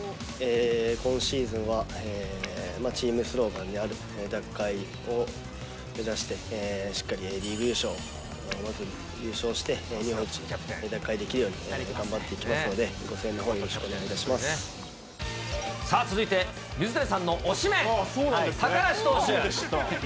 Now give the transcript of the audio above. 今シーズンはチームスローガンである、奪回を目指して、しっかりリーグ優勝、まず優勝して、日本一を奪回できるように頑張っていきますので、ご声援のほど、続いて、水谷さんの推しメン、高梨投手。